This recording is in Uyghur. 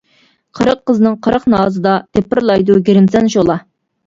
قىرىق قىزنىڭ قىرىق نازىدا، تېپىرلايدۇ گىرىمسەن شولا.